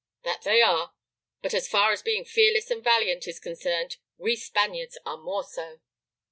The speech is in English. "That they are, but as far as being fearless and valiant is concerned, we Spaniards are more so."